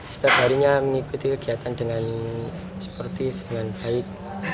setiap harinya mengikuti kegiatan dengan sportif dengan baik